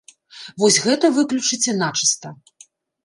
Вось гэта выключыце начыста.